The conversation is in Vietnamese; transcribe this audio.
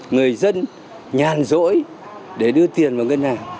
người dân nhàn rỗi để đưa tiền vào ngân hàng